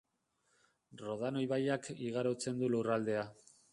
Rodano ibaiak igarotzen du lurraldea.